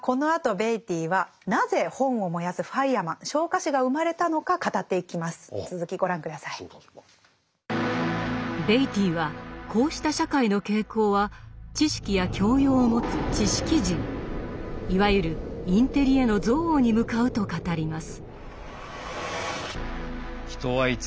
ベイティーはこうした社会の傾向は知識や教養を持つ「知識人」いわゆるインテリへの憎悪に向かうと語ります。